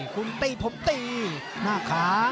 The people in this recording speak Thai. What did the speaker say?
คุณตีผมตีหน้าขา